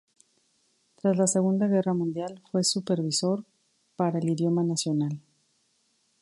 Tras la Segunda Guerra Mundial fue supervisor para el idioma nacional.